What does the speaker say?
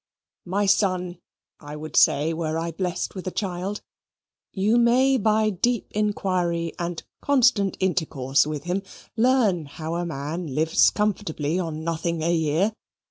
My son, I would say, were I blessed with a child you may by deep inquiry and constant intercourse with him learn how a man lives comfortably on nothing a year.